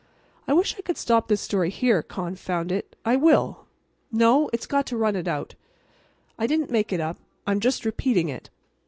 I wish I could stop this story here. Confound it! I will. No; it's got to run it out. I didn't make it up. I'm just repeating it.